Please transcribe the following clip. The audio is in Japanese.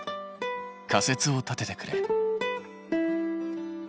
仮説を立ててくれ。